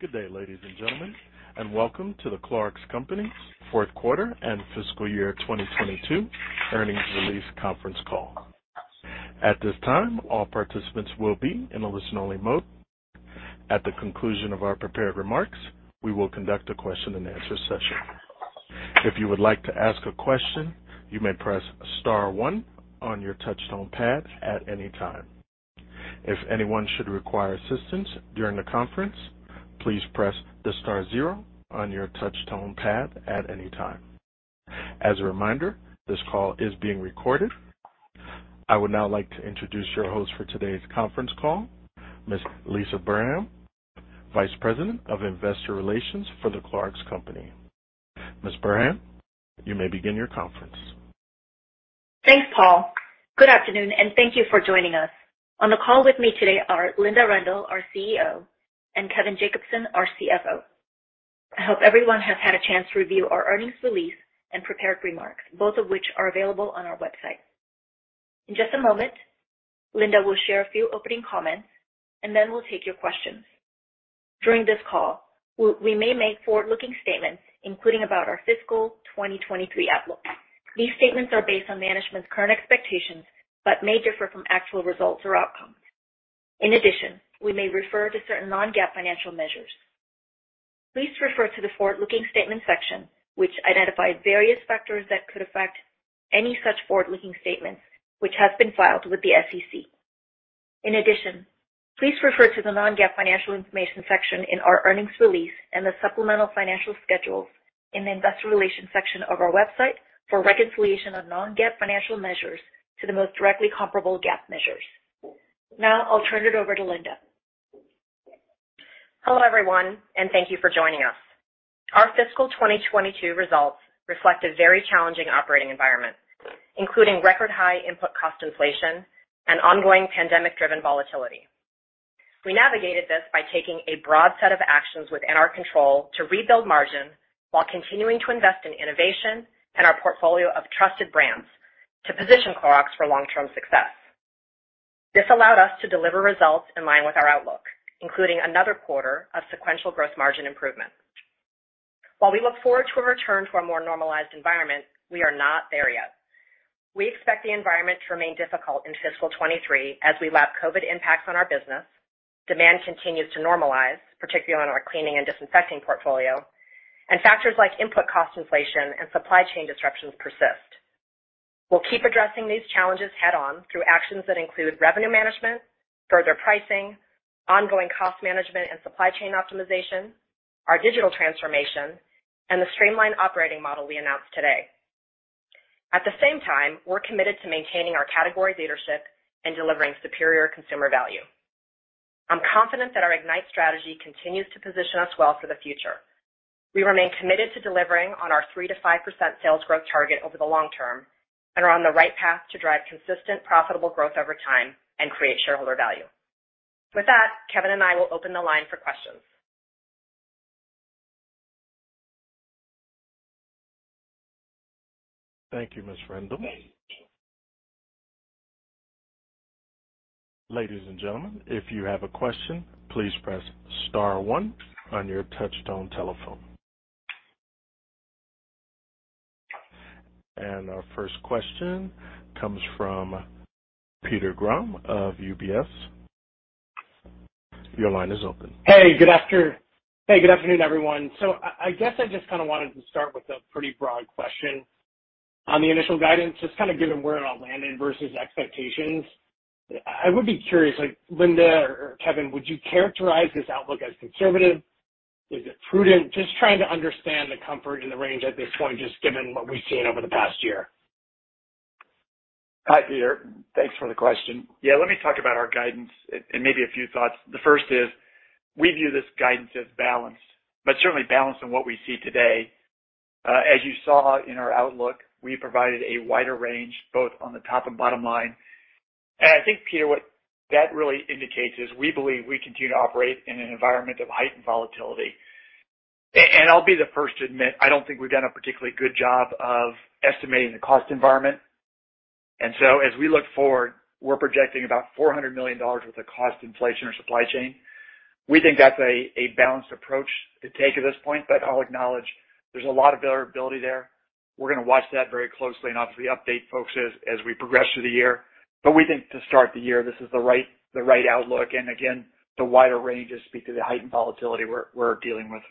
Good day, ladies and gentlemen, and welcome to The Clorox Company's fourth quarter and fiscal year 2022 earnings release conference call. At this time, all participants will be in a listen-only mode. At the conclusion of our prepared remarks, we will conduct a question-and-answer session. If you would like to ask a question, you may press star one on your touchtone pad at any time. If anyone should require assistance during the conference, please press the star zero on your touchtone pad at any time. As a reminder, this call is being recorded. I would now like to introduce your host for today's conference call, Ms. Lisah Burhan, Vice President of Investor Relations for The Clorox Company. Ms. Burhan, you may begin your conference. Thanks, Paul. Good afternoon, and thank you for joining us. On the call with me today are Linda Rendle, our CEO, and Kevin Jacobsen, our CFO. I hope everyone has had a chance to review our earnings release and prepared remarks, both of which are available on our website. In just a moment, Linda will share a few opening comments, and then we'll take your questions. During this call, we may make forward-looking statements, including about our fiscal 2023 outlook. These statements are based on management's current expectations but may differ from actual results or outcomes. In addition, we may refer to certain non-GAAP financial measures. Please refer to the forward-looking statements section, which identifies various factors that could affect any such forward-looking statements, which has been filed with the SEC. In addition, please refer to the non-GAAP financial information section in our earnings release and the supplemental financial schedules in the investor relations section of our website for a reconciliation of non-GAAP financial measures to the most directly comparable GAAP measures. Now I'll turn it over to Linda. Hello, everyone, and thank you for joining us. Our fiscal 2022 results reflect a very challenging operating environment, including record-high input cost inflation and ongoing pandemic-driven volatility. We navigated this by taking a broad set of actions within our control to rebuild margin while continuing to invest in innovation and our portfolio of trusted brands to position Clorox for long-term success. This allowed us to deliver results in line with our outlook, including another quarter of sequential gross margin improvement. While we look forward to a return to a more normalized environment, we are not there yet. We expect the environment to remain difficult in fiscal 2023 as we lap COVID impacts on our business, demand continues to normalize, particularly on our cleaning and disinfecting portfolio, and factors like input cost inflation and supply chain disruptions persist. We'll keep addressing these challenges head on through actions that include revenue management, further pricing, ongoing cost management and supply chain optimization, our digital transformation, and the streamlined operating model we announced today. At the same time, we're committed to maintaining our category leadership and delivering superior consumer value. I'm confident that our IGNITE strategy continues to position us well for the future. We remain committed to delivering on our 3%-5% sales growth target over the long-term and are on the right path to drive consistent, profitable growth over time and create shareholder value. With that, Kevin and I will open the line for questions. Thank you, Ms. Rendle. Ladies and gentlemen, if you have a question, please press star one on your touchtone telephone. Our first question comes from Peter Grom of UBS. Your line is open. Hey, good afternoon, everyone. I guess I just kinda wanted to start with a pretty broad question on the initial guidance, just kinda given where it all landed versus expectations. I would be curious, like Linda or Kevin, would you characterize this outlook as conservative? Is it prudent? Just trying to understand the comfort in the range at this point, just given what we've seen over the past year. Hi, Peter. Thanks for the question. Yeah. Let me talk about our guidance and maybe a few thoughts. The first is we view this guidance as balanced, but certainly based on what we see today. As you saw in our outlook, we provided a wider range, both on the top and bottom line. I think, Peter, what that really indicates is we believe we continue to operate in an environment of heightened volatility. I'll be the first to admit, I don't think we've done a particularly good job of estimating the cost environment. As we look forward, we're projecting about $400 million worth of cost inflation in supply chain. We think that's a balanced approach to take at this point, but I'll acknowledge there's a lot of variability there. We're gonna watch that very closely and obviously update folks as we progress through the year. We think to start the year, this is the right outlook, and again, the wider ranges speak to the heightened volatility we're dealing with.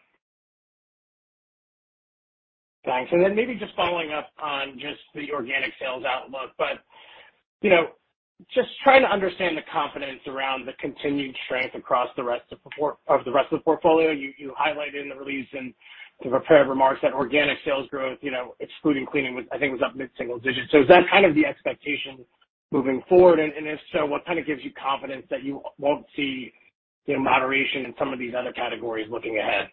Thanks. Maybe just following up on just the organic sales outlook. You know, just trying to understand the confidence around the continued strength across the rest of the portfolio. You highlighted in the release and the prepared remarks that organic sales growth, you know, excluding cleaning was, I think, up mid-single digit. Is that kind of the expectation moving forward? If so, what kind of gives you confidence that you won't see the moderation in some of these other categories looking ahead?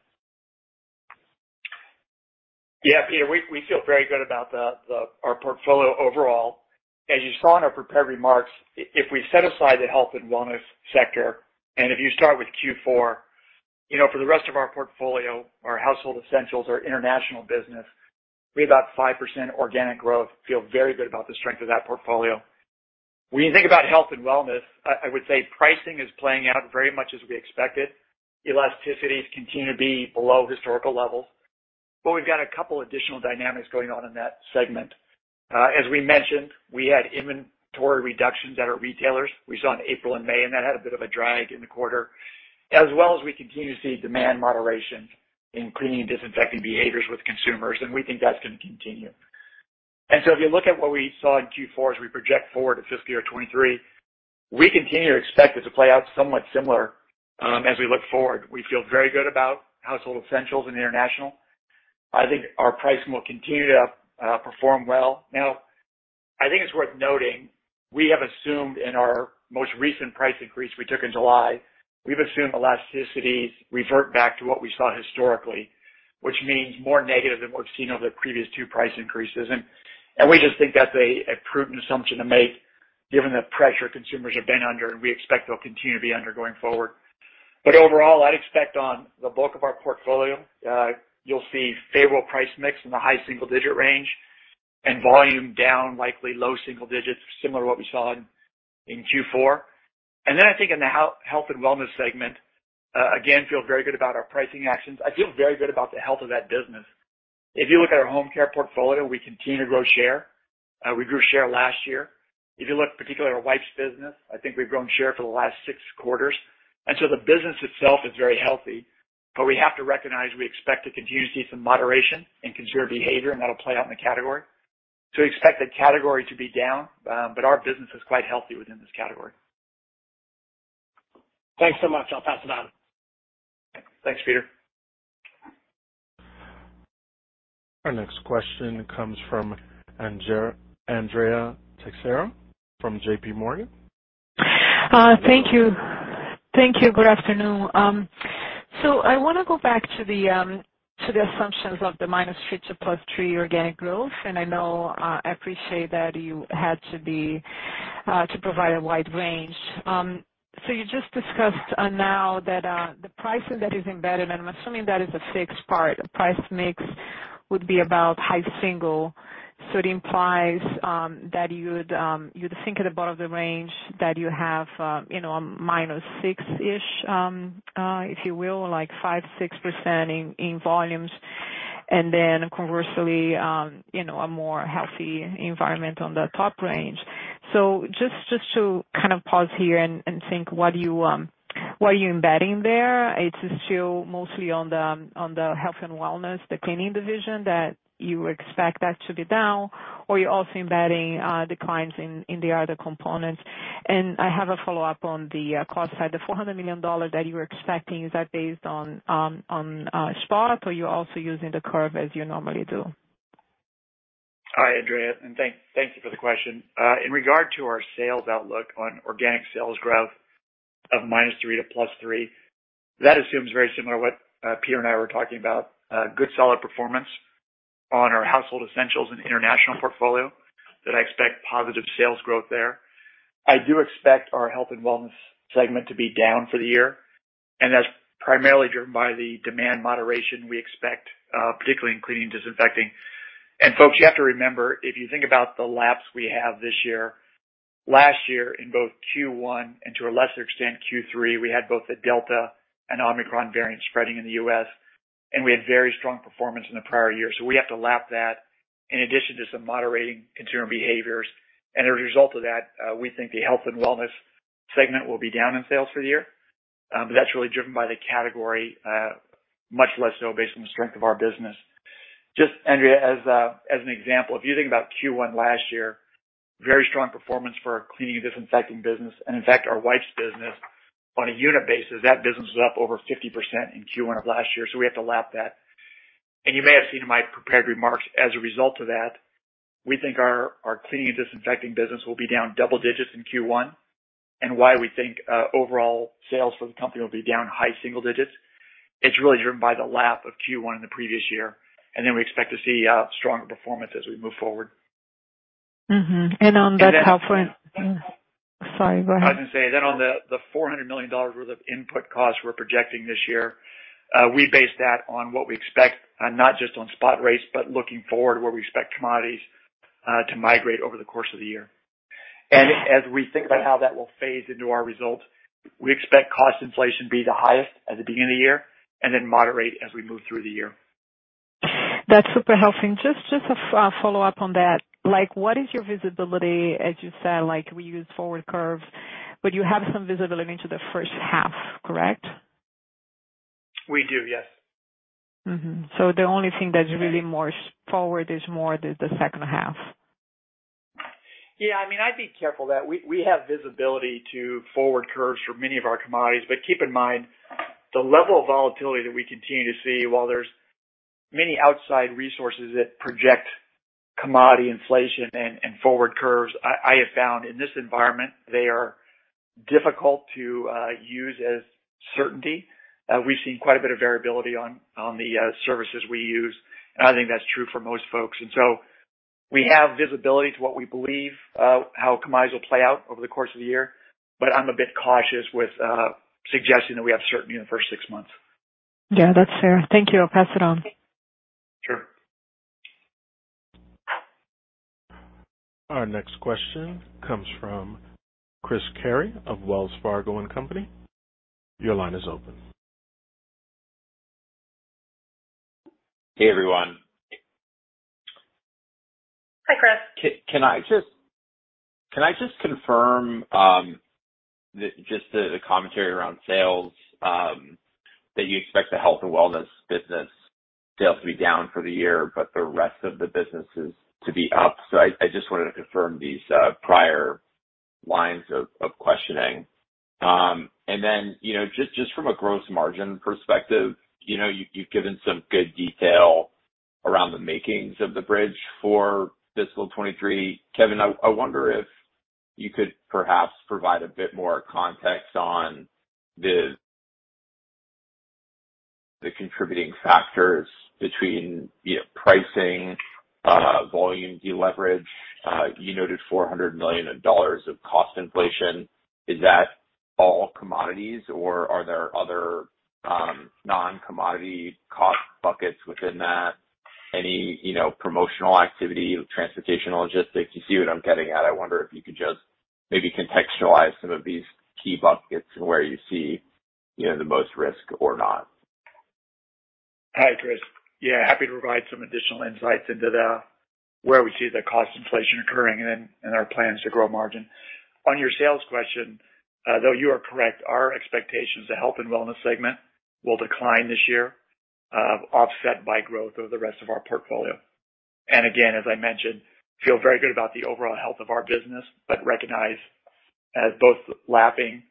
Yeah, Peter, we feel very good about our portfolio overall. As you saw in our prepared remarks, if we set aside the health and wellness sector, and if you start with Q4, you know, for the rest of our portfolio, our household essentials, our international business, we had about 5% organic growth. Feel very good about the strength of that portfolio. When you think about health and wellness, I would say pricing is playing out very much as we expected. Elasticities continue to be below historical levels, but we've got a couple additional dynamics going on in that segment. As we mentioned, we had inventory reductions at our retailers. We saw in April and May, and that had a bit of a drag in the quarter. As well as we continue to see demand moderation in cleaning and disinfecting behaviors with consumers, and we think that's gonna continue. If you look at what we saw in Q4 as we project forward to fiscal year 2023, we continue to expect it to play out somewhat similar, as we look forward. We feel very good about household essentials and international. I think our pricing will continue to perform well. Now, I think it's worth noting, we have assumed in our most recent price increase we took in July, we've assumed elasticities revert back to what we saw historically, which means more negative than we've seen over the previous two price increases. We just think that's a prudent assumption to make given the pressure consumers have been under, and we expect they'll continue to be under going forward. Overall, I'd expect on the bulk of our portfolio, you'll see favorable price mix in the high single-digit range and volume down likely low single digits, similar to what we saw in Q4. Then I think in the health and wellness segment, again, feel very good about our pricing actions. I feel very good about the health of that business. If you look at our home care portfolio, we continue to grow share. We grew share last year. If you look particularly at our wipes business, I think we've grown share for the last six quarters. The business itself is very healthy. We have to recognize we expect to continue to see some moderation in consumer behavior, and that'll play out in the category. We expect the category to be down, but our business is quite healthy within this category. Thanks so much. I'll pass it on. Thanks, Peter. Our next question comes from Andrea Teixeira from JPMorgan. Thank you. Good afternoon. I wanna go back to the assumptions of the -3% to +3% organic growth. I know, I appreciate that you had to provide a wide range. You just discussed now that the pricing that is embedded, and I'm assuming that is a fixed part, price mix would be about high single. It implies that you'd think at the bottom of the range that you have, you know, a -6-ish, if you will, like 5%-6% in volumes. Then conversely, you know, a more healthy environment on the top range. Just to kind of pause here and think, what are you embedding there? It's still mostly on the health and wellness, the cleaning division that you expect that to be down, or you're also embedding declines in the other components. I have a follow-up on the cost side. The $400 million that you were expecting, is that based on spot, or you're also using the curve as you normally do? Hi, Andrea, thank you for the question. In regard to our sales outlook on organic sales growth of -3% to +3%, that assumes very similar to what Peter and I were talking about, good solid performance on our household essentials and international portfolio that I expect positive sales growth there. I do expect our health and wellness segment to be down for the year, and that's primarily driven by the demand moderation we expect, particularly in cleaning and disinfecting. Folks, you have to remember, if you think about the lap we have this year, last year in both Q1 and to a lesser extent Q3, we had both the Delta and Omicron variants spreading in the U.S., and we had very strong performance in the prior year. We have to lap that in addition to some moderating consumer behaviors. As a result of that, we think the health and wellness segment will be down in sales for the year. That's really driven by the category, much less so based on the strength of our business. Just Andrea, as an example, if you think about Q1 last year, very strong performance for our cleaning and disinfecting business. In fact, our wipes business on a unit basis, that business was up over 50% in Q1 of last year, so we have to lap that. You may have seen in my prepared remarks as a result of that, we think our cleaning and disinfecting business will be down double digits in Q1, and why we think overall sales for the company will be down high single digits. It's really driven by the lapped Q1 in the previous year, and then we expect to see stronger performance as we move forward. Mm-hmm. And then- On that help front. Sorry, go ahead. I was gonna say on the $400 million worth of input costs we're projecting this year, we base that on what we expect, not just on spot rates, but looking forward where we expect commodities to migrate over the course of the year. As we think about how that will phase into our results, we expect cost inflation to be the highest at the beginning of the year and then moderate as we move through the year. That's super helpful. Just a follow-up on that, like what is your visibility? As you said, like we use forward curves, but you have some visibility into the first half, correct? We do, yes. The only thing that's really more forward is more the second half. Yeah. I mean, I'd be careful that we have visibility to forward curves for many of our commodities. Keep in mind, the level of volatility that we continue to see while there's many outside resources that project commodity inflation and forward curves, I have found in this environment they are difficult to use as certainty. We've seen quite a bit of variability on the services we use, and I think that's true for most folks. We have visibility to what we believe how commodities will play out over the course of the year, but I'm a bit cautious with suggesting that we have certainty in the first six months. Yeah, that's fair. Thank you. I'll pass it on. Our next question comes from Chris Carey of Wells Fargo and Company. Your line is open. Hey, everyone. Hi, Chris. Can I just confirm the commentary around sales that you expect the health and wellness business sales to be down for the year, but the rest of the businesses to be up. I just wanted to confirm these prior lines of questioning. Then, you know, just from a gross margin perspective, you know, you've given some good detail around the makings of the bridge for fiscal 2023. Kevin, I wonder if you could perhaps provide a bit more context on the contributing factors between, you know, pricing, volume deleverage. You noted $400 million of cost inflation. Is that all commodities or are there other non-commodity cost buckets within that? Any, you know, promotional activity, transportation, logistics? You see what I'm getting at. I wonder if you could just maybe contextualize some of these key buckets and where you see, you know, the most risk or not. Hi, Chris. Yeah, happy to provide some additional insights into where we see the cost inflation occurring and our plans to grow margin. On your sales question, though you are correct, our expectations, the health and wellness segment will decline this year, offset by growth over the rest of our portfolio. Again, as I mentioned, feel very good about the overall health of our business, but recognize as both lapping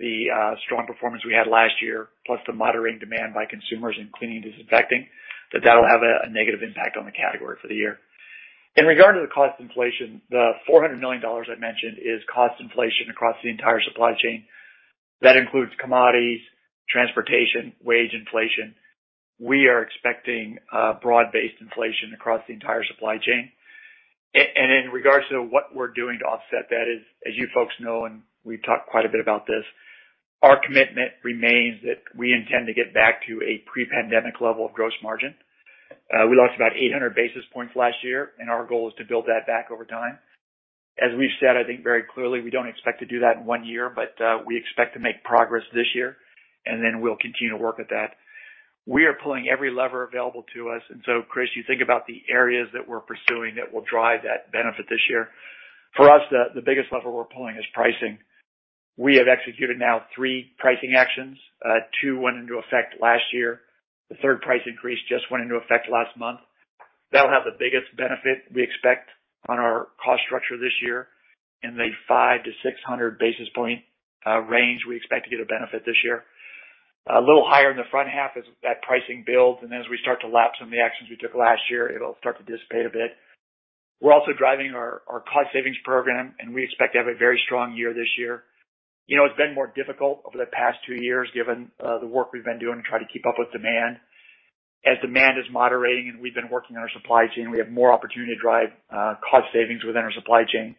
the strong performance we had last year, plus the moderating demand by consumers in cleaning and disinfecting, that'll have a negative impact on the category for the year. In regard to the cost inflation, the $400 million I mentioned is cost inflation across the entire supply chain. That includes commodities, transportation, wage inflation. We are expecting broad-based inflation across the entire supply chain. In regards to what we're doing to offset that is, as you folks know, and we've talked quite a bit about this, our commitment remains that we intend to get back to a pre-pandemic level of gross margin. We lost about 800 basis points last year, and our goal is to build that back over time. As we've said, I think very clearly, we don't expect to do that in one year, but we expect to make progress this year, and then we'll continue to work at that. We are pulling every lever available to us. Chris, you think about the areas that we're pursuing that will drive that benefit this year. For us, the biggest lever we're pulling is pricing. We have executed now three pricing actions. Two went into effect last year. The third price increase just went into effect last month. That'll have the biggest benefit we expect on our cost structure this year in the 500-600 basis point range. We expect to get a benefit this year. A little higher in the front half as that pricing builds, and as we start to lap some of the actions we took last year, it'll start to dissipate a bit. We're also driving our cost savings program, and we expect to have a very strong year this year. You know, it's been more difficult over the past two years given the work we've been doing to try to keep up with demand. As demand is moderating and we've been working on our supply chain, we have more opportunity to drive cost savings within our supply chain.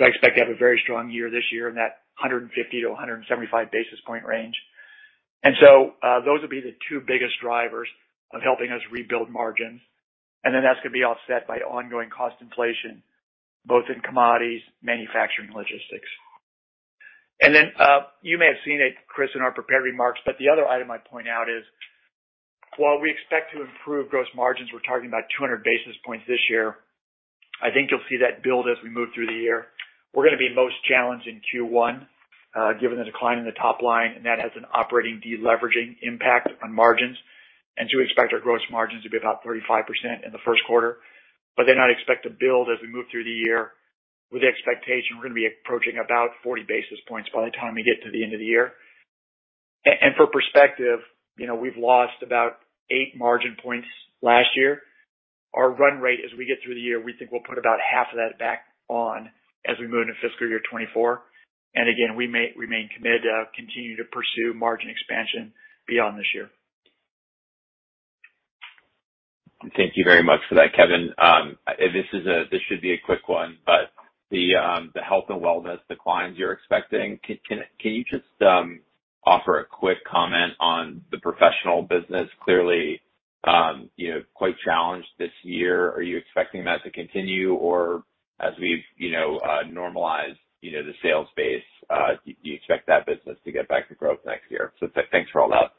I expect to have a very strong year this year in that 150- to 175-basis point range. Those will be the two biggest drivers of helping us rebuild margins. That's gonna be offset by ongoing cost inflation, both in commodities, manufacturing, logistics. You may have seen it, Chris, in our prepared remarks, but the other item I'd point out is, while we expect to improve gross margins, we're targeting about 200 basis points this year. I think you'll see that build as we move through the year. We're gonna be most challenged in Q1, given the decline in the top line, and that has an operating deleveraging impact on margins. We expect our gross margins to be about 35% in the first quarter, but then I'd expect to build as we move through the year with the expectation we're gonna be approaching about 40 basis points by the time we get to the end of the year. For perspective, you know, we've lost about 8 margin points last year. Our run rate as we get through the year, we think we'll put about half of that back on as we move into fiscal year 2024. We remain committed to continue to pursue margin expansion beyond this year. Thank you very much for that, Kevin. This should be a quick one, but the health and wellness declines you're expecting, can you just offer a quick comment on the professional business? Clearly, you know, quite challenged this year. Are you expecting that to continue or as we've, you know, normalized, you know, the sales base, do you expect that business to get back to growth next year? Thanks for all that.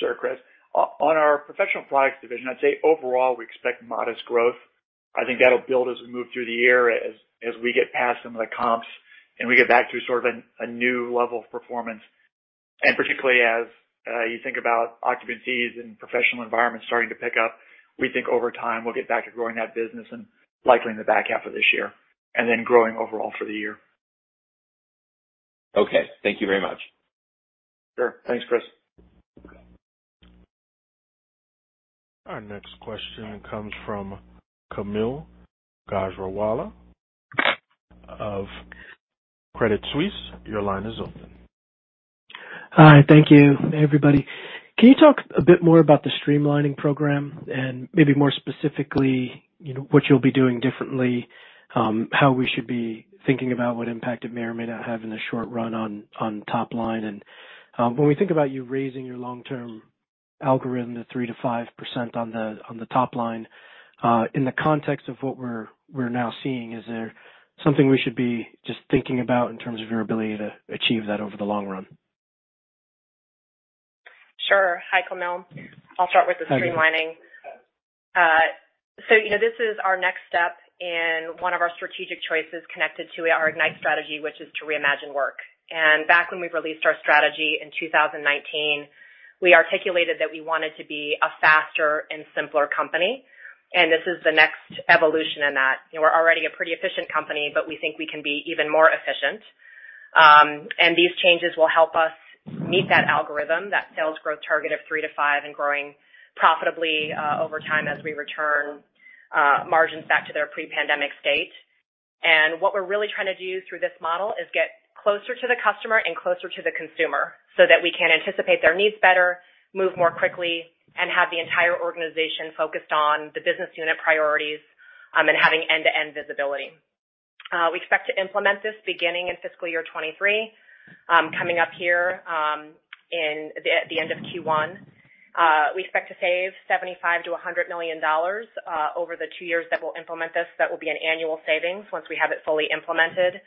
Sure, Chris. On our professional products division, I'd say overall, we expect modest growth. I think that'll build as we move through the year as we get past some of the comps, and we get back to sort of a new level of performance. Particularly as you think about occupancies and professional environments starting to pick up, we think over time, we'll get back to growing that business and likely in the back half of this year, and then growing overall for the year. Okay. Thank you very much. Sure. Thanks, Chris. Our next question comes from Kaumil Gajrawala of Credit Suisse. Your line is open. Hi. Thank you, everybody. Can you talk a bit more about the streamlining program and maybe more specifically, you know, what you'll be doing differently, how we should be thinking about what impact it may or may not have in the short run on top line and, when we think about you raising your long-term algorithm to 3%-5% on the top line, in the context of what we're now seeing, is there something we should be just thinking about in terms of your ability to achieve that over the long run? Sure. Hi, Kaumil. I'll start with the streamlining. You know, this is our next step in one of our strategic choices connected to our IGNITE strategy, which is to Reimagine Work. Back when we released our strategy in 2019, we articulated that we wanted to be a faster and simpler company, and this is the next evolution in that. You know, we're already a pretty efficient company, but we think we can be even more efficient. These changes will help us meet that algorithm, that sales growth target of 3%-5% and growing profitably over time as we return margins back to their pre-pandemic state. What we're really trying to do through this model is get closer to the customer and closer to the consumer so that we can anticipate their needs better, move more quickly, and have the entire organization focused on the business unit priorities, and having end-to-end visibility. We expect to implement this beginning in fiscal year 2023, coming up here, at the end of Q1. We expect to save $75 million-$100 million over the two years that we'll implement this. That will be an annual savings once we have it fully implemented.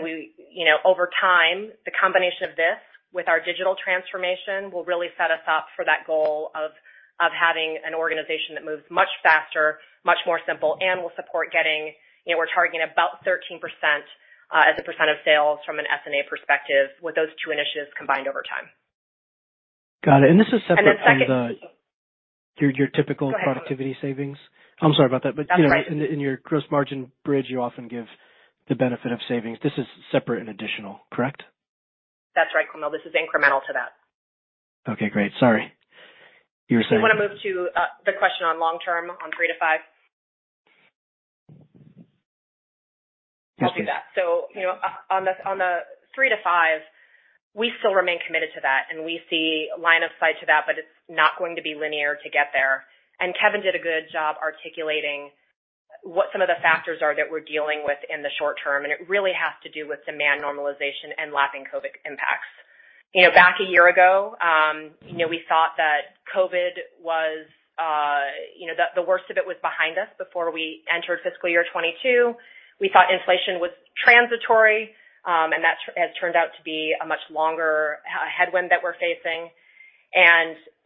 We, you know, over time, the combination of this with our digital transformation will really set us up for that goal of having an organization that moves much faster, much more simple, and will support getting, you know, we're targeting about 13%, as a percent of sales from an SG&A perspective with those two initiatives combined over time. Got it. This is separate. And the second- Your typical productivity savings. I'm sorry about that. That's all right. You know, in your gross margin bridge, you often give the benefit of savings. This is separate and additional, correct? That's right, Kaumil. This is incremental to that. Okay, great. Sorry. You were saying? Do you wanna move to the question on long-term on 3%-5%? Yes, please. I'll do that. You know, on the 3%-5%, we still remain committed to that, and we see a line of sight to that, but it's not going to be linear to get there. Kevin did a good job articulating what some of the factors are that we're dealing with in the short-term, and it really has to do with demand normalization and lapping COVID impacts. You know, back a year ago, you know, we thought that COVID was, you know, the worst of it was behind us before we entered fiscal year 2022. We thought inflation was transitory, and that has turned out to be a much longer headwind that we're facing.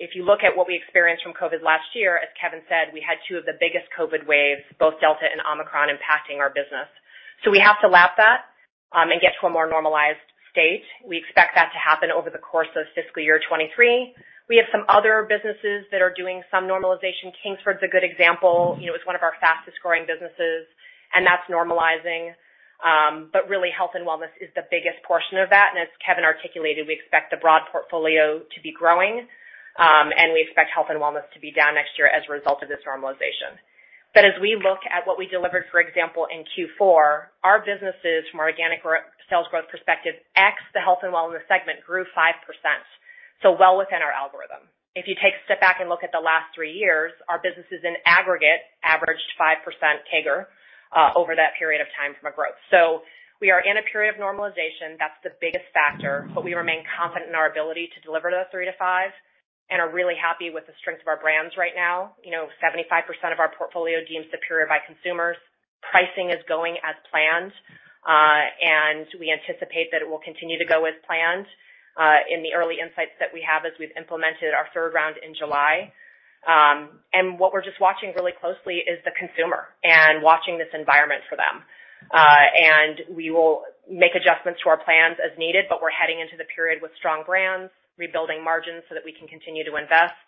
If you look at what we experienced from COVID last year, as Kevin said, we had two of the biggest COVID waves, both Delta and Omicron, impacting our business. We have to lap that, and get to a more normalized state. We expect that to happen over the course of fiscal year 2023. We have some other businesses that are doing some normalization. Kingsford's a good example. You know, it's one of our fastest-growing businesses, and that's normalizing. Really, health and wellness is the biggest portion of that, and as Kevin articulated, we expect the broad portfolio to be growing, and we expect health and wellness to be down next year as a result of this normalization. As we look at what we delivered, for example, in Q4, our businesses from organic sales growth perspective, ex the health and wellness segment grew 5%, so well within our algorithm. If you take a step back and look at the last three years, our businesses in aggregate averaged 5% CAGR over that period of time from a growth. We are in a period of normalization. That's the biggest factor. We remain confident in our ability to deliver those 3%-5% and are really happy with the strength of our brands right now. You know, 75% of our portfolio deemed superior by consumers. Pricing is going as planned, and we anticipate that it will continue to go as planned, in the early insights that we have as we've implemented our third round in July. What we're just watching really closely is the consumer and watching this environment for them. We will make adjustments to our plans as needed, but we're heading into the period with strong brands, rebuilding margins so that we can continue to invest.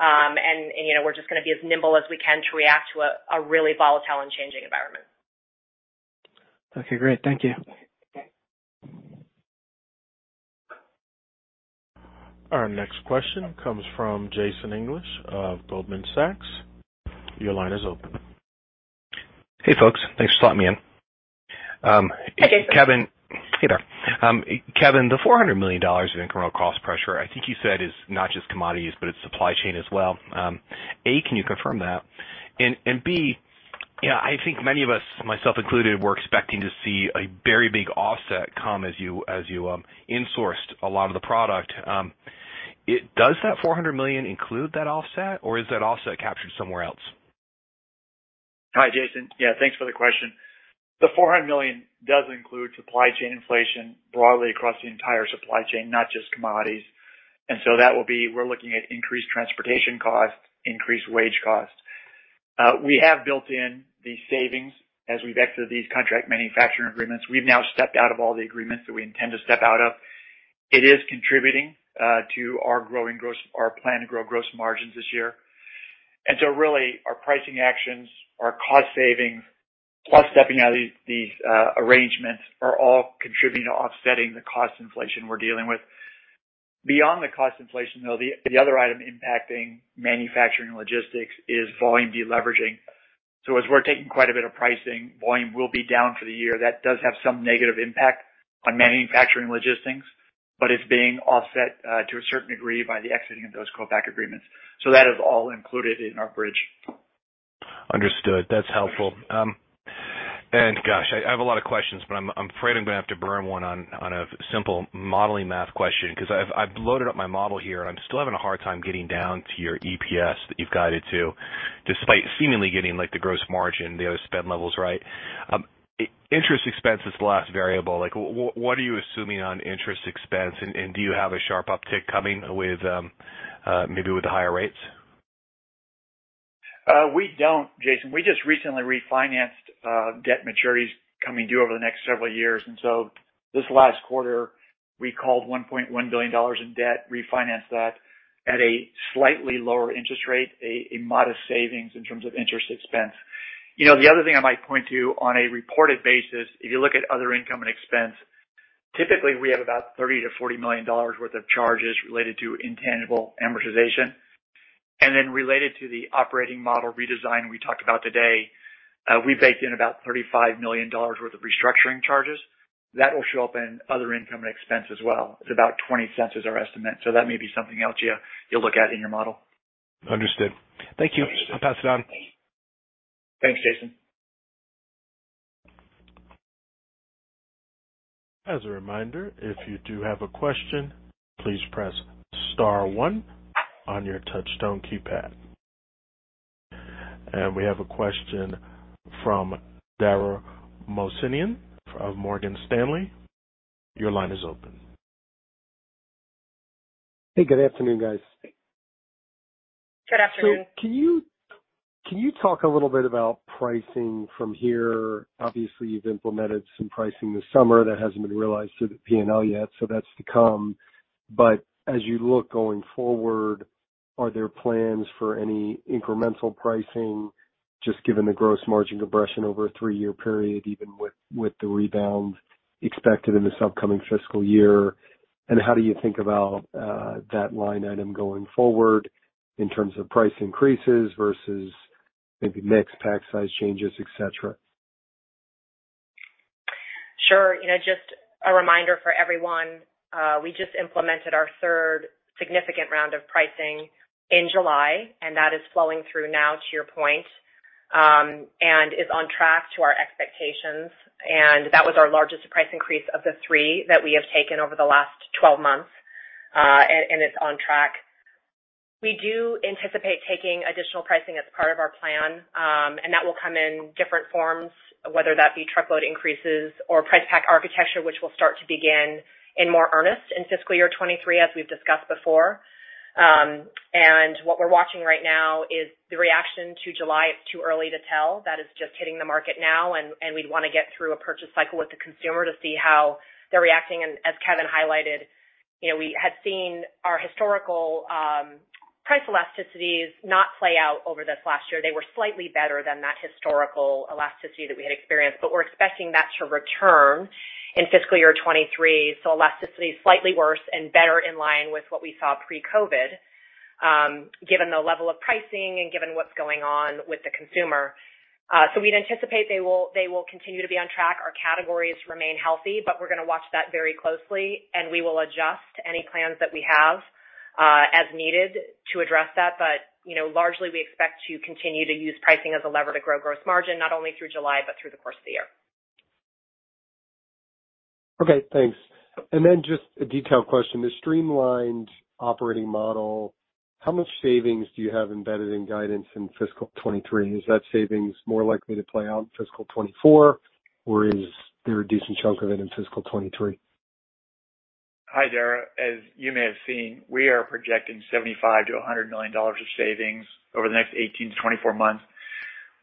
You know, we're just gonna be as nimble as we can to react to a really volatile and changing environment. Okay, great. Thank you. Our next question comes from Jason English of Goldman Sachs. Your line is open. Hey, folks. Thanks for letting me in. Hey, Jason. Kevin. Hey there. Kevin, the $400 million in incremental cost pressure, I think you said is not just commodities, but it's supply chain as well. A, can you confirm that? B, you know, I think many of us, myself included, were expecting to see a very big offset come as you insourced a lot of the product. Does that $400 million include that offset, or is that offset captured somewhere else? Hi, Jason. Yeah, thanks for the question. The $400 million does include supply chain inflation broadly across the entire supply chain, not just commodities. That will be, we're looking at increased transportation costs, increased wage costs. We have built in the savings as we've exited these contract manufacturing agreements. We've now stepped out of all the agreements that we intend to step out of. It is contributing to our plan to grow gross margins this year. Really, our pricing actions, our cost savings, plus stepping out of these arrangements are all contributing to offsetting the cost inflation we're dealing with. Beyond the cost inflation, though, the other item impacting manufacturing logistics is volume de-leveraging. As we're taking quite a bit of pricing, volume will be down for the year. That does have some negative impact on manufacturing logistics, but it's being offset to a certain degree by the exiting of those co-pack agreements. That is all included in our bridge. Understood. That's helpful. Gosh, I have a lot of questions, but I'm afraid I'm gonna have to burn one on a simple modeling math question 'cause I've loaded up my model here, and I'm still having a hard time getting down to your EPS that you've guided to, despite seemingly getting, like, the gross margin, the other spend levels right. Interest expense is the last variable. Like, what are you assuming on interest expense? Do you have a sharp uptick coming with maybe with the higher rates? We don't, Jason. We just recently refinanced debt maturities coming due over the next several years. This last quarter, we called $1.1 billion in debt, refinanced that at a slightly lower interest rate, a modest savings in terms of interest expense. You know, the other thing I might point to on a reported basis, if you look at other income and expense, typically, we have about $30 million-$40 million worth of charges related to intangible amortization. Related to the operating model redesign we talked about today, we baked in about $35 million worth of restructuring charges. That will show up in other income and expense as well. It's about $0.20 is our estimate, so that may be something else you'll look at in your model. Understood. Thank you. I'll pass it on. Thanks, Jason. As a reminder, if you do have a question, please press star one on your touchtone keypad. We have a question from Dara Mohsenian of Morgan Stanley. Your line is open. Hey, good afternoon, guys. Good afternoon. Can you talk a little bit about pricing from here? Obviously, you've implemented some pricing this summer that hasn't been realized through the P&L yet, so that's to come. But as you look going forward, are there plans for any incremental pricing just given the gross margin compression over a three-year period, even with the rebound expected in this upcoming fiscal year? How do you think about that line item going forward in terms of price increases versus maybe mix, pack size changes, et cetera? Sure. You know, just a reminder for everyone, we just implemented our third significant round of pricing in July, and that is flowing through now to your point, and is on track to our expectations. That was our largest price increase of the three that we have taken over the last 12 months, and it's on track. We do anticipate taking additional pricing as part of our plan, and that will come in different forms, whether that be truckload increases or price pack architecture, which will start to begin in more earnest in fiscal year 2023, as we've discussed before. What we're watching right now is the reaction to July. It's too early to tell. That is just hitting the market now, and we'd wanna get through a purchase cycle with the consumer to see how they're reacting. As Kevin highlighted, you know, we had seen our historical price elasticities not play out over this last year. They were slightly better than that historical elasticity that we had experienced, but we're expecting that to return in fiscal year 2023. Elasticity is slightly worse and better in line with what we saw pre-COVID, given the level of pricing and given what's going on with the consumer. We'd anticipate they will continue to be on track. Our categories remain healthy, but we're gonna watch that very closely, and we will adjust any plans that we have as needed to address that. You know, largely, we expect to continue to use pricing as a lever to grow gross margin, not only through July but through the course of the year. Okay, thanks. Just a detailed question. The streamlined operating model, how much savings do you have embedded in guidance in fiscal 2023? Is that savings more likely to play out in fiscal 2024, or is there a decent chunk of it in fiscal 2023? Hi, Dara. As you may have seen, we are projecting $75 million-$100 million of savings over the next 18-24 months.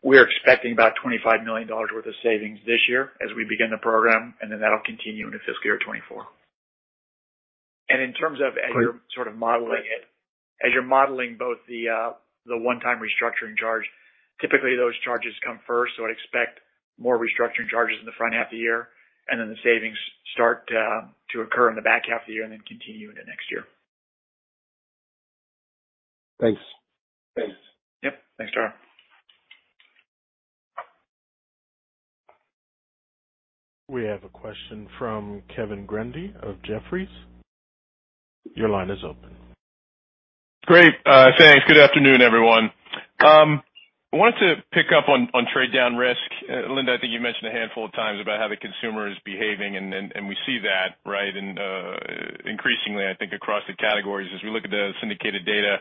We're expecting about $25 million worth of savings this year as we begin the program, and then that'll continue into fiscal year 2024. In terms of as you're sort of modeling it, as you're modeling both the one-time restructuring charge, typically, those charges come first. I'd expect more restructuring charges in the front half of the year, and then the savings start to occur in the back half of the year and then continue into next year. Thanks. Thanks. Yep. Thanks, Dara. We have a question from Kevin Grundy of Jefferies. Your line is open. Great. Thanks. Good afternoon, everyone. I wanted to pick up on trade down risk. Linda, I think you mentioned a handful of times about how the consumer is behaving, and we see that, right? Increasingly, I think across the categories, as we look at the syndicated data.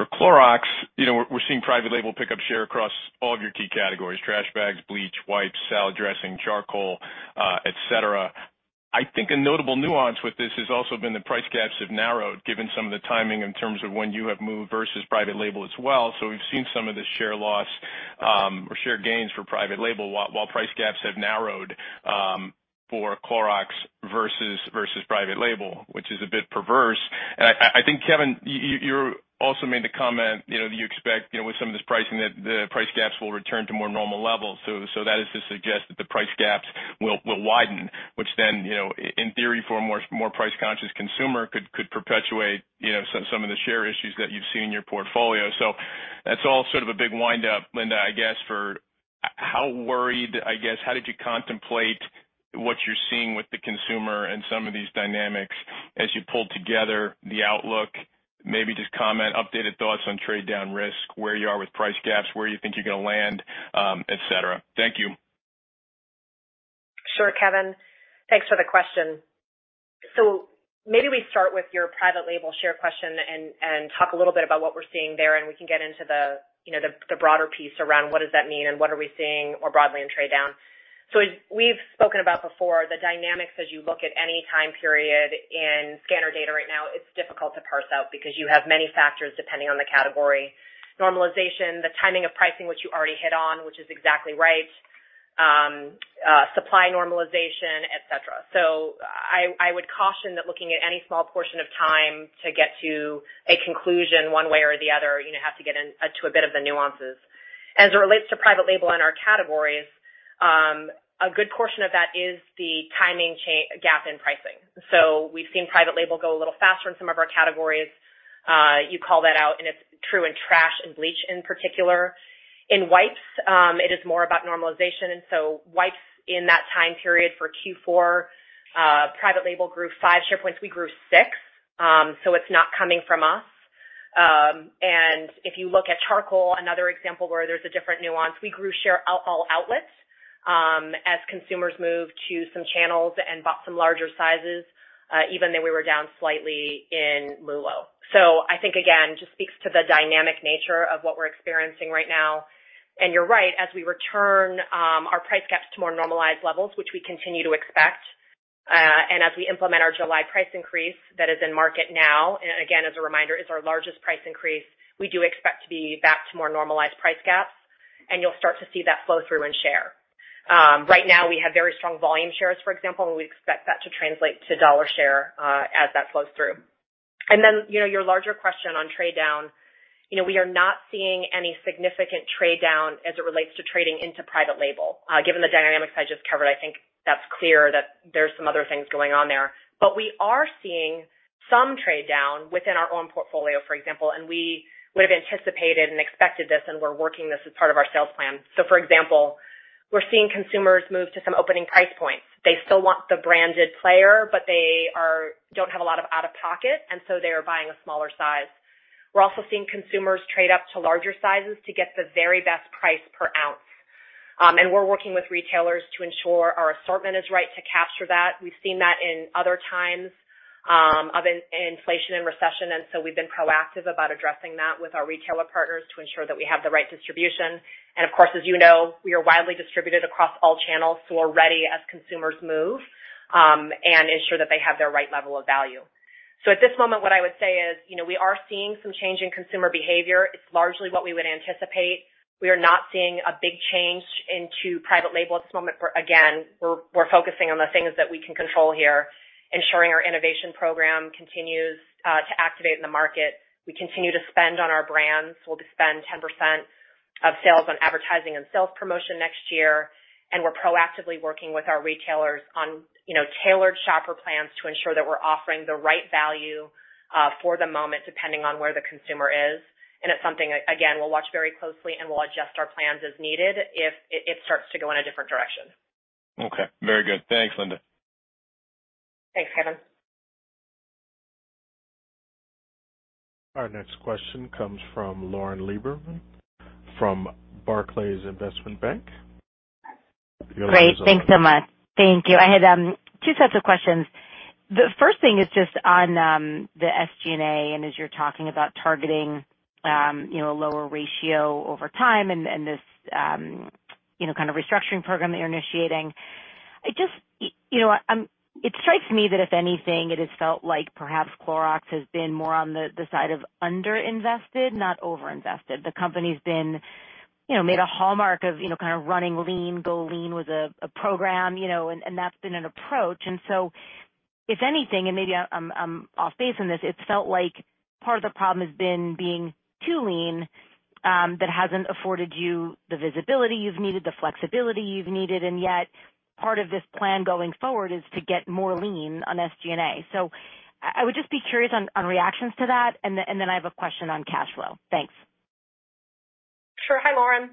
For Clorox, you know, we're seeing private label pick up share across all of your key categories, trash bags, bleach, wipes, salad dressing, charcoal, et cetera. I think a notable nuance with this has also been the price gaps have narrowed given some of the timing in terms of when you have moved versus private label as well. We've seen some of the share loss, or share gains for private label while price gaps have narrowed, for Clorox versus private label, which is a bit perverse. I think, Kevin, you also made the comment, you know, that you expect, you know, with some of this pricing, that the price gaps will return to more normal levels. So that is to suggest that the price gaps will widen, which then, you know, in theory, for a more price-conscious consumer could perpetuate, you know, some of the share issues that you've seen in your portfolio. So that's all sort of a big wind up, Linda, I guess, for how worried, I guess, how did you contemplate what you're seeing with the consumer and some of these dynamics as you pulled together the outlook? Maybe just comment, updated thoughts on trade down risk, where you are with price gaps, where you think you're gonna land, et cetera. Thank you. Sure, Kevin. Thanks for the question. Maybe we start with your private label share question and talk a little bit about what we're seeing there, and we can get into, you know, the broader piece around what does that mean and what are we seeing more broadly in trade down. As we've spoken about before, the dynamics, as you look at any time period in scanner data right now, it's difficult to parse out because you have many factors, depending on the category. Normalization, the timing of pricing, which you already hit on, which is exactly right, supply normalization, et cetera. I would caution that looking at any small portion of time to get to a conclusion one way or the other, you know, have to get into a bit of the nuances. As it relates to private label in our categories, a good portion of that is the timing gap in pricing. We've seen private label go a little faster in some of our categories. You call that out, and it's true in trash and bleach in particular. In wipes, it is more about normalization. Wipes in that time period for Q4, private label grew five share points. We grew six, so it's not coming from us. If you look at charcoal, another example where there's a different nuance, we grew share in all outlets, as consumers moved to some channels and bought some larger sizes, even though we were down slightly in MULO. I think, again, just speaks to the dynamic nature of what we're experiencing right now. You're right, as we return our price gaps to more normalized levels, which we continue to expect, and as we implement our July price increase that is in market now, and again, as a reminder, is our largest price increase, we do expect to be back to more normalized price gaps. You'll start to see that flow through in share. Right now we have very strong volume shares, for example, and we expect that to translate to dollar share, as that flows through. Then, you know, your larger question on trade down. You know, we are not seeing any significant trade down as it relates to trading into private label. Given the dynamics I just covered, I think that's clear that there's some other things going on there. We are seeing some trade down within our own portfolio, for example, and we would have anticipated and expected this, and we're working this as part of our sales plan. For example, we're seeing consumers move to some opening price points. They still want the branded player, but they don't have a lot of out-of-pocket, and so they are buying a smaller size. We're also seeing consumers trade up to larger sizes to get the very best price per ounce. We're working with retailers to ensure our assortment is right to capture that. We've seen that in other times of inflation and recession, and so we've been proactive about addressing that with our retailer partners to ensure that we have the right distribution. Of course, as you know, we are widely distributed across all channels, so we're ready as consumers move and ensure that they have their right level of value. So at this moment, what I would say is, you know, we are seeing some change in consumer behavior. It's largely what we would anticipate. We are not seeing a big change into private label at this moment. Again, we're focusing on the things that we can control here, ensuring our innovation program continues to activate in the market. We continue to spend on our brands. We'll spend 10% of sales on advertising and sales promotion next year, and we're proactively working with our retailers on, you know, tailored shopper plans to ensure that we're offering the right value for the moment, depending on where the consumer is. It's something again, we'll watch very closely, and we'll adjust our plans as needed if it starts to go in a different direction. Okay. Very good. Thanks, Linda. Thanks, Kevin. Our next question comes from Lauren Lieberman from Barclays Investment Bank. Great. Thanks so much. Your line is open. Thank you. I had two sets of questions. The first thing is just on the SG&A, and as you're talking about targeting, you know, a lower ratio over time and this, you know, kind of restructuring program that you're initiating. I just, you know, it strikes me that if anything, it has felt like perhaps Clorox has been more on the side of underinvested, not overinvested. The company's been, you know, made a hallmark of, you know, kind of running lean, Go Lean was a program, you know, and that's been an approach. If anything, and maybe I'm off base in this, it's felt like part of the problem has been being too lean, that hasn't afforded you the visibility you've needed, the flexibility you've needed, and yet part of this plan going forward is to get more lean on SG&A. I would just be curious on reactions to that, and then I have a question on cash flow. Thanks. Sure. Hi, Lauren.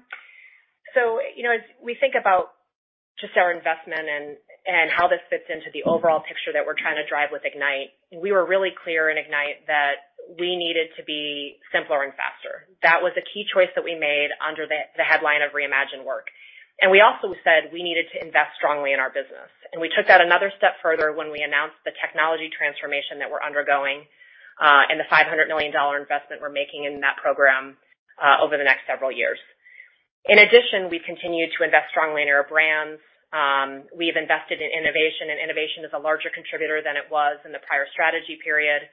You know, as we think about just our investment and how this fits into the overall picture that we're trying to drive with IGNITE, we were really clear in IGNITE that we needed to be simpler and faster. That was a key choice that we made under the headline of Reimagine Work. We also said we needed to invest strongly in our business. We took that another step further when we announced the technology transformation that we're undergoing, and the $500 million investment we're making in that program, over the next several years. In addition, we continue to invest strongly in our brands. We've invested in innovation, and innovation is a larger contributor than it was in the prior strategy period.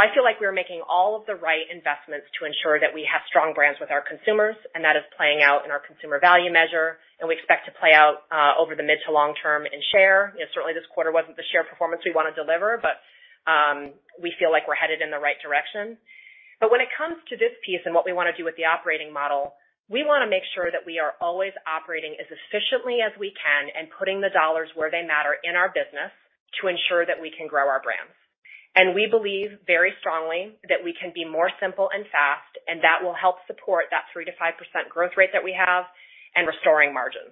I feel like we are making all of the right investments to ensure that we have strong brands with our consumers, and that is playing out in our consumer value measure. We expect to play out over the mid to long-term in share. You know, certainly this quarter wasn't the share performance we wanna deliver, but we feel like we're headed in the right direction. When it comes to this piece and what we wanna do with the operating model, we wanna make sure that we are always operating as efficiently as we can and putting the dollars where they matter in our business to ensure that we can grow our brands. We believe very strongly that we can be more simple and fast, and that will help support that 3%-5% growth rate that we have and restoring margins.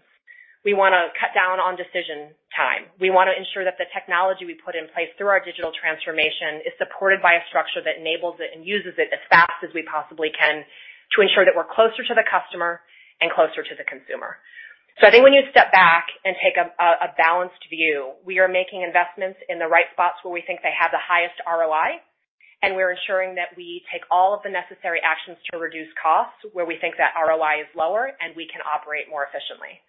We wanna cut down on decision time. We wanna ensure that the technology we put in place through our digital transformation is supported by a structure that enables it and uses it as fast as we possibly can to ensure that we're closer to the customer and closer to the consumer. I think when you step back and take a balanced view, we are making investments in the right spots where we think they have the highest ROI, and we're ensuring that we take all of the necessary actions to reduce costs where we think that ROI is lower and we can operate more efficiently.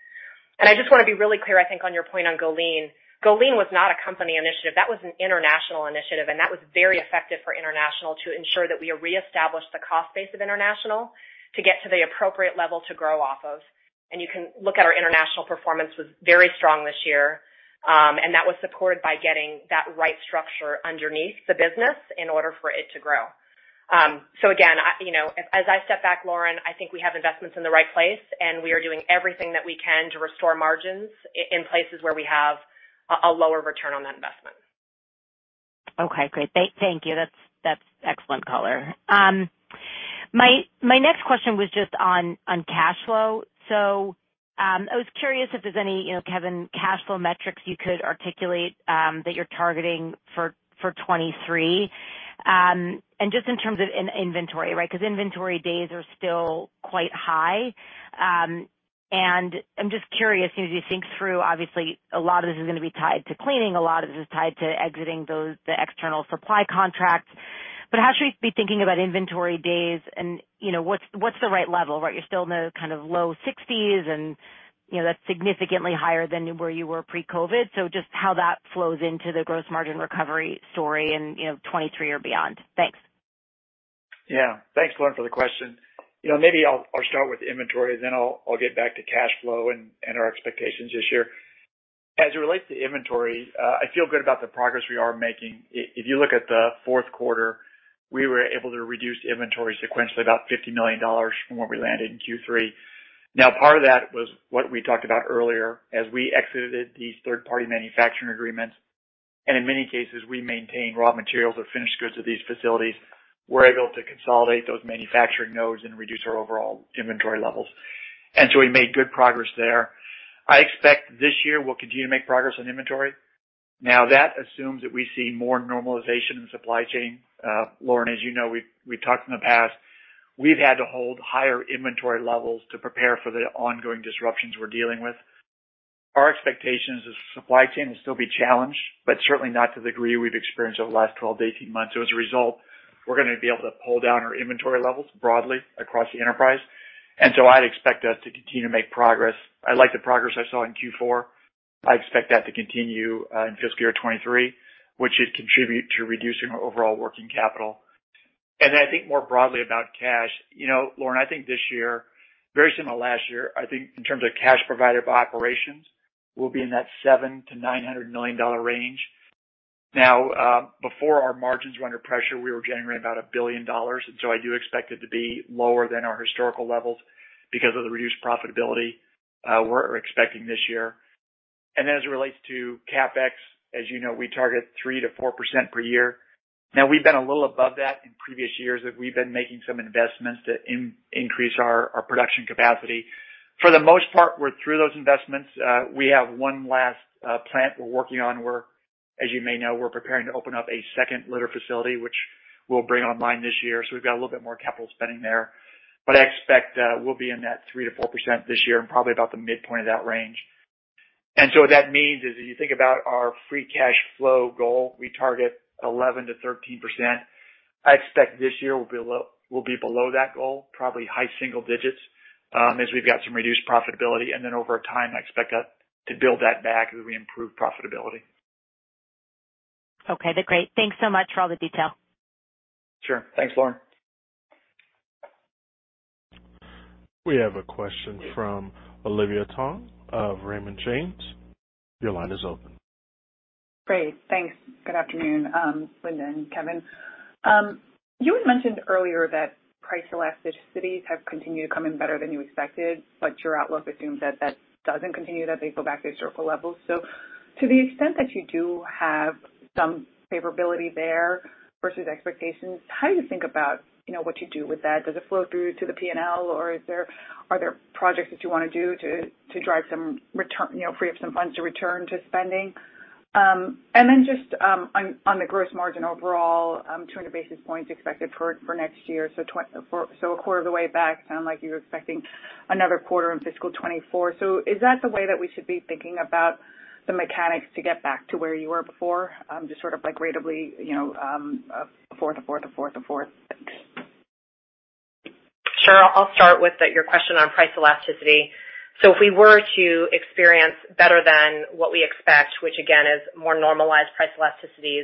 I just wanna be really clear, I think, on your point on Go Lean. Go Lean was not a company initiative. That was an international initiative, and that was very effective for international to ensure that we reestablish the cost base of international to get to the appropriate level to grow off of. You can look at our international performance was very strong this year, and that was supported by getting that right structure underneath the business in order for it to grow. Again, I, you know, as I step back, Lauren, I think we have investments in the right place, and we are doing everything that we can to restore margins in places where we have a lower return on that investment. Okay. Great. Thank you. That's excellent color. My next question was just on cash flow. So, I was curious if there's any, you know, Kevin, cash flow metrics you could articulate that you're targeting for 2023. And just in terms of inventory, right? 'Cause inventory days are still quite high. And I'm just curious, as you think through, obviously, a lot of this is gonna be tied to cleaning, a lot of this is tied to exiting those external supply contracts. But how should we be thinking about inventory days and, you know, what's the right level, right? You're still in the kind of low 60s and, you know, that's significantly higher than where you were pre-COVID. So just how that flows into the gross margin recovery story in, you know, 2023 or beyond. Thanks. Yeah. Thanks, Lauren, for the question. You know, maybe I'll start with inventory, then I'll get back to cash flow and our expectations this year. As it relates to inventory, I feel good about the progress we are making. If you look at the fourth quarter, we were able to reduce inventory sequentially about $50 million from where we landed in Q3. Now, part of that was what we talked about earlier. As we exited these third-party manufacturing agreements, and in many cases, we maintained raw materials or finished goods at these facilities. We're able to consolidate those manufacturing nodes and reduce our overall inventory levels. We made good progress there. I expect this year we'll continue to make progress on inventory. Now, that assumes that we see more normalization in supply chain. Lauren, as you know, we've talked in the past, we've had to hold higher inventory levels to prepare for the ongoing disruptions we're dealing with. Our expectations is supply chain will still be challenged, but certainly not to the degree we've experienced over the last 12-18 months. As a result, we're gonna be able to pull down our inventory levels broadly across the enterprise. I'd expect us to continue to make progress. I like the progress I saw in Q4. I expect that to continue in fiscal year 2023, which should contribute to reducing our overall working capital. Then I think more broadly about cash. You know, Lauren, I think this year, very similar last year, I think in terms of cash provided by operations, we'll be in that $700 million-$900 million range. Before our margins were under pressure, we were generating about $1 billion, and so I do expect it to be lower than our historical levels because of the reduced profitability we're expecting this year. As it relates to CapEx, as you know, we target 3%-4% per year. Now, we've been a little above that in previous years as we've been making some investments to increase our production capacity. For the most part, we're through those investments. We have one last plant we're working on, where, as you may know, we're preparing to open up a second litter facility, which we'll bring online this year. So we've got a little bit more capital spending there. But I expect we'll be in that 3%-4% this year and probably about the midpoint of that range. What that means is, if you think about our free cash flow goal, we target 11%-13%. I expect this year we'll be below that goal, probably high single digits, as we've got some reduced profitability. Over time, I expect that to build that back as we improve profitability. Okay. Great. Thanks so much for all the detail. Sure. Thanks, Lauren. We have a question from Olivia Tong of Raymond James. Your line is open. Great. Thanks. Good afternoon, Linda and Kevin. You had mentioned earlier that price elasticities have continued to come in better than you expected, but your outlook assumes that that doesn't continue, that they go back to historical levels. To the extent that you do have some favorability there versus expectations, how do you think about, you know, what to do with that? Does it flow through to the P&L, or are there projects that you wanna do to drive some return, you know, free up some funds to return to spending? And then just on the gross margin overall, 200 basis points expected for next year, so a quarter of the way back. Sound like you're expecting another quarter in fiscal 2024. Is that the way that we should be thinking about the mechanics to get back to where you were before? Just sort of like ratably, you know, fourth to fourth? Thanks. Sure. I'll start with your question on price elasticity. If we were to experience better than what we expect, which again is more normalized price elasticities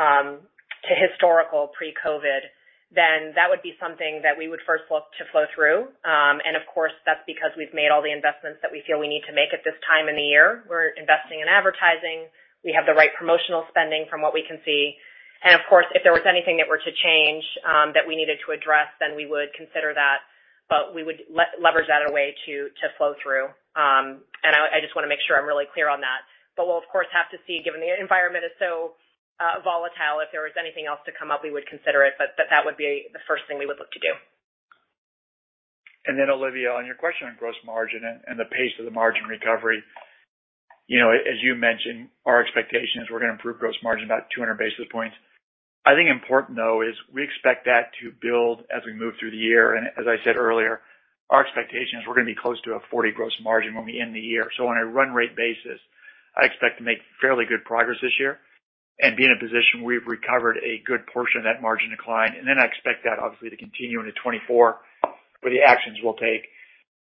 to historical pre-COVID, then that would be something that we would first look to flow through. Of course, that's because we've made all the investments that we feel we need to make at this time in the year. We're investing in advertising. We have the right promotional spending from what we can see. Of course, if there was anything that were to change that we needed to address, then we would consider that. We would leverage that away to flow through. I just wanna make sure I'm really clear on that. We'll of course have to see, given the environment is so volatile, if there was anything else to come up, we would consider it, but that would be the first thing we would look to do. Olivia, on your question on gross margin and the pace of the margin recovery. You know, as you mentioned, our expectation is we're gonna improve gross margin about 200 basis points. I think important though is we expect that to build as we move through the year. As I said earlier, our expectation is we're gonna be close to a 40% gross margin when we end the year. On a run rate basis, I expect to make fairly good progress this year and be in a position where we've recovered a good portion of that margin decline. I expect that obviously to continue into 2024 with the actions we'll take.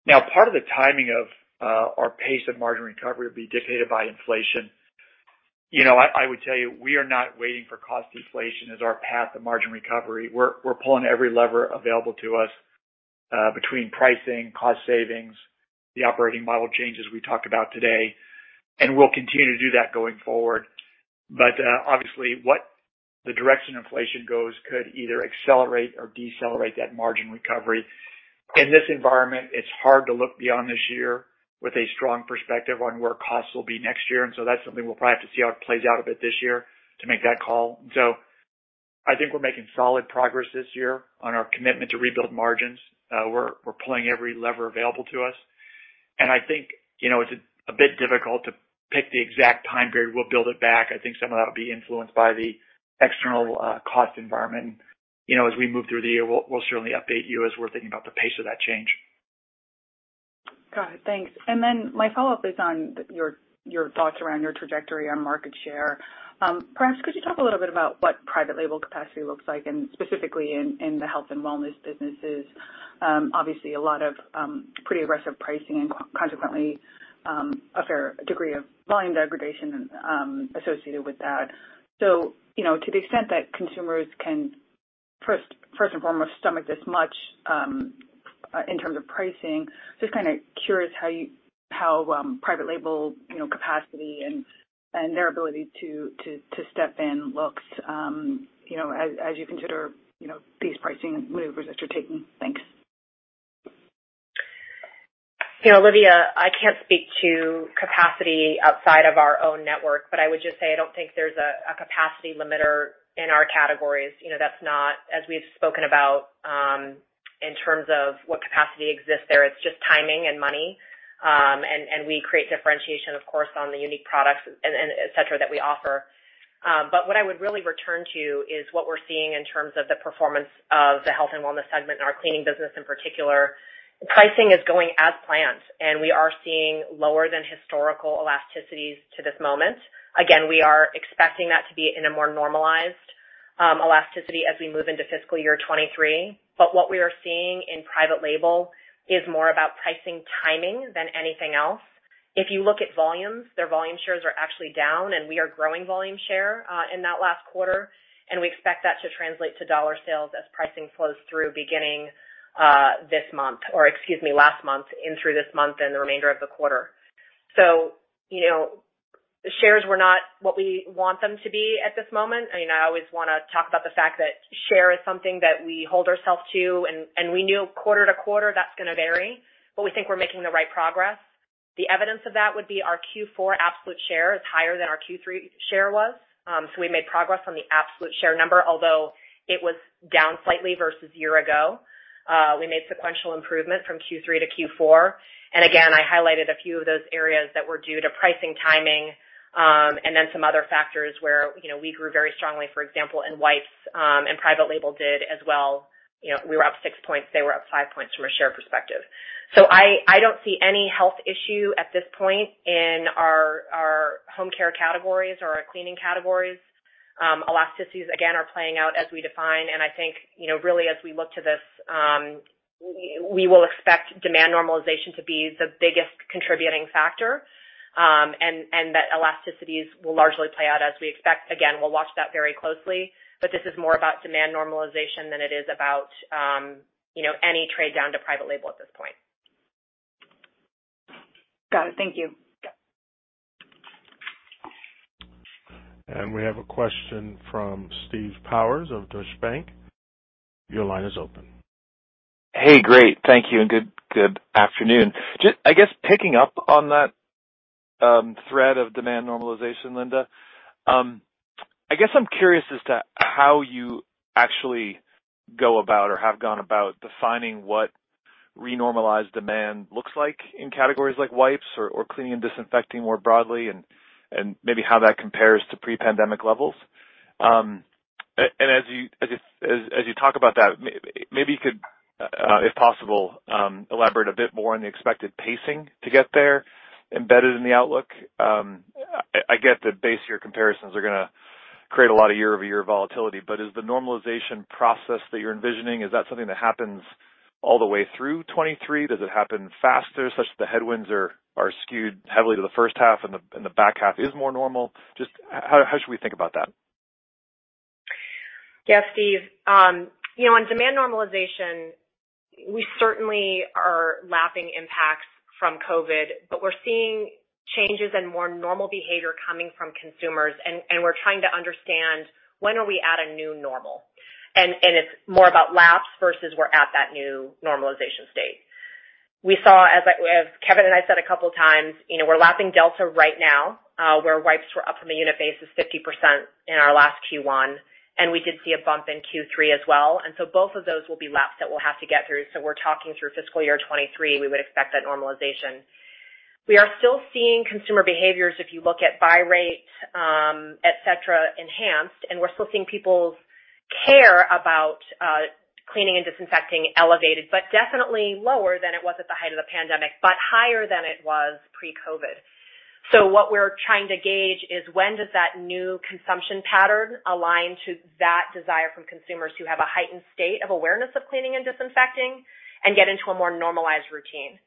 Now, part of the timing of our pace of margin recovery will be dictated by inflation. You know, I would tell you, we are not waiting for cost inflation as our path to margin recovery. We're pulling every lever available to us between pricing, cost savings, the operating model changes we talked about today, and we'll continue to do that going forward. Obviously, what the direction inflation goes could either accelerate or decelerate that margin recovery. In this environment, it's hard to look beyond this year with a strong perspective on where costs will be next year. That's something we'll probably have to see how it plays out a bit this year to make that call. I think we're making solid progress this year on our commitment to rebuild margins. We're pulling every lever available to us. I think, you know, it's a bit difficult to pick the exact time period we'll build it back. I think some of that will be influenced by the external cost environment. You know, as we move through the year, we'll certainly update you as we're thinking about the pace of that change. Got it. Thanks. My follow-up is on your thoughts around your trajectory on market share. Perhaps could you talk a little bit about what private label capacity looks like, and specifically in the health and wellness businesses? Obviously a lot of pretty aggressive pricing and consequently a fair degree of volume degradation associated with that. You know, to the extent that consumers can first and foremost stomach this much in terms of pricing, just kinda curious how private label capacity and their ability to step in looks, you know, as you consider these pricing maneuvers that you're taking. Thanks. You know, Olivia, I can't speak to capacity outside of our own network, but I would just say I don't think there's a capacity limiter in our categories. You know, that's not, as we've spoken about, in terms of what capacity exists there, it's just timing and money. And we create differentiation, of course, on the unique products and et cetera that we offer. But what I would really return to is what we're seeing in terms of the performance of the health and wellness segment and our cleaning business in particular. Pricing is going as planned, and we are seeing lower than historical elasticities to this moment. Again, we are expecting that to be in a more normalized elasticity as we move into fiscal year 2023. But what we are seeing in private label is more about pricing timing than anything else. If you look at volumes, their volume shares are actually down, and we are growing volume share in that last quarter, and we expect that to translate to dollar sales as pricing flows through beginning last month into this month and the remainder of the quarter. You know, the shares were not what we want them to be at this moment. I mean, I always wanna talk about the fact that share is something that we hold ourselves to and we knew quarter to quarter that's gonna vary, but we think we're making the right progress. The evidence of that would be our Q4 absolute share is higher than our Q3 share was. We made progress on the absolute share number, although it was down slightly versus year ago. We made sequential improvement from Q3 to Q4. Again, I highlighted a few of those areas that were due to pricing timing, and then some other factors where, you know, we grew very strongly, for example, in wipes, and private label did as well. You know, we were up six points, they were up five points from a share perspective. I don't see any health issue at this point in our home care categories or our cleaning categories. Elasticities again are playing out as we define, and I think, you know, really as we look to this, we will expect demand normalization to be the biggest contributing factor, and that elasticities will largely play out as we expect. Again, we'll watch that very closely, but this is more about demand normalization than it is about, you know, any trade down to private label at this point. Got it. Thank you. Yeah. We have a question from Steve Powers of Deutsche Bank. Your line is open. Hey, great. Thank you, and good afternoon. Just, I guess, picking up on that thread of demand normalization, Linda, I guess I'm curious as to how you actually go about or have gone about defining what renormalized demand looks like in categories like wipes or cleaning and disinfecting more broadly and maybe how that compares to pre-pandemic levels. And as you talk about that, maybe you could, if possible, elaborate a bit more on the expected pacing to get there embedded in the outlook. I get the base year comparisons are gonna create a lot of year-over-year volatility, but is the normalization process that you're envisioning something that happens all the way through 2023? Does it happen faster, such that the headwinds are skewed heavily to the first half and the back half is more normal? Just how should we think about that? Yeah, Steve. You know, on demand normalization, we certainly are lapping impacts from COVID, but we're seeing changes in more normal behavior coming from consumers. We're trying to understand when are we at a new normal? It's more about laps versus we're at that new normalization state. We saw, as Kevin and I said a couple of times, you know, we're lapping Delta right now, where wipes were up from a unit basis 50% in our last Q1, and we did see a bump in Q3 as well. Both of those will be laps that we'll have to get through. We're talking through fiscal year 2023, we would expect that normalization. We are still seeing consumer behaviors, if you look at buy rates, et cetera, enhanced, and we're still seeing people's care about cleaning and disinfecting elevated, but definitely lower than it was at the height of the pandemic, but higher than it was pre-COVID. What we're trying to gauge is when does that new consumption pattern align to that desire from consumers who have a heightened state of awareness of cleaning and disinfecting and get into a more normalized routine.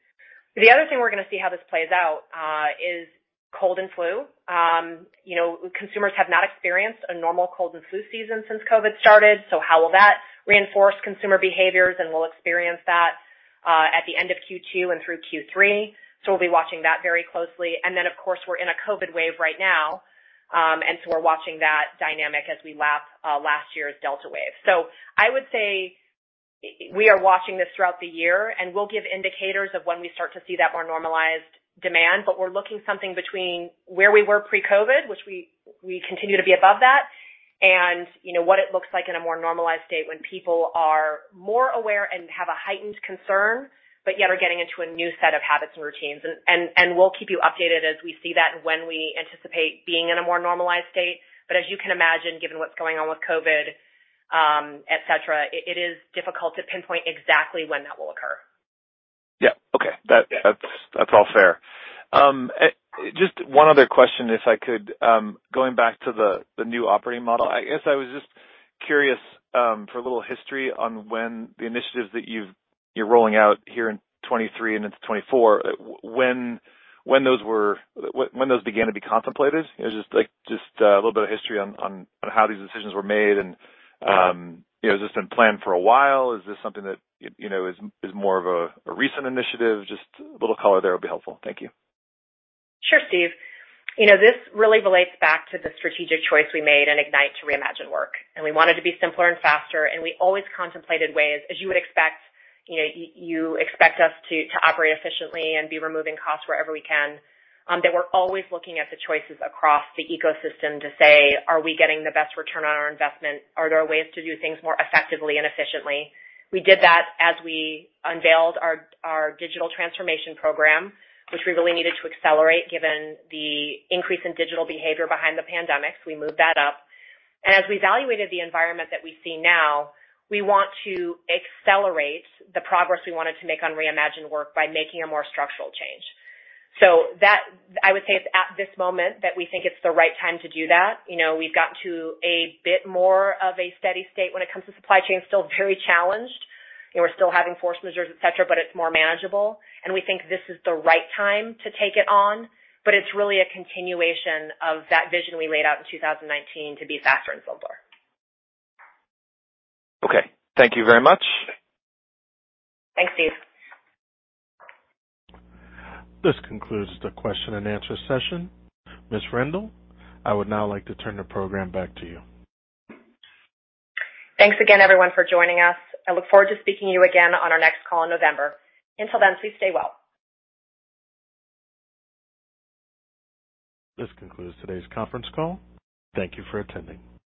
The other thing we're gonna see how this plays out is cold and flu. You know, consumers have not experienced a normal cold and flu season since COVID started, so how will that reinforce consumer behaviors? We'll experience that at the end of Q2 and through Q3. We'll be watching that very closely. Of course, we're in a COVID wave right now, and we're watching that dynamic as we lap last year's Delta wave. I would say we are watching this throughout the year, and we'll give indicators of when we start to see that more normalized demand. We're looking something between where we were pre-COVID, which we continue to be above that. You know, what it looks like in a more normalized state when people are more aware and have a heightened concern, but yet are getting into a new set of habits and routines. We'll keep you updated as we see that and when we anticipate being in a more normalized state. As you can imagine, given what's going on with COVID, et cetera, it is difficult to pinpoint exactly when that will occur. Yeah. Okay. That's all fair. Just one other question, if I could. Going back to the new operating model, I guess I was just curious for a little history on when the initiatives that you're rolling out here in 2023 and into 2024, when those began to be contemplated. You know, just like a little bit of history on how these decisions were made and you know, has this been planned for a while? Is this something that you know, is more of a recent initiative? Just a little color there would be helpful. Thank you. Sure, Steve. You know, this really relates back to the strategic choice we made in IGNITE to Reimagine Work. We wanted to be simpler and faster, and we always contemplated ways, as you would expect, you know, you expect us to operate efficiently and be removing costs wherever we can, that we're always looking at the choices across the ecosystem to say, are we getting the best return on our investment? Are there ways to do things more effectively and efficiently? We did that as we unveiled our digital transformation program, which we really needed to accelerate given the increase in digital behavior behind the pandemic, so we moved that up. As we evaluated the environment that we see now, we want to accelerate the progress we wanted to make on Reimagined Work by making a more structural change. I would say it's at this moment that we think it's the right time to do that. You know, we've gotten to a bit more of a steady state when it comes to supply chain, still very challenged, and we're still having force majeure, et cetera, et cetera, but it's more manageable, and we think this is the right time to take it on, but it's really a continuation of that vision we laid out in 2019 to be faster and simpler. Okay. Thank you very much. Thanks, Steve. This concludes the question and answer session. Ms. Rendle, I would now like to turn the program back to you. Thanks again, everyone, for joining us. I look forward to speaking to you again on our next call in November. Until then, please stay well. This concludes today's conference call. Thank you for attending.